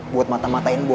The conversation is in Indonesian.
buat mata matain boy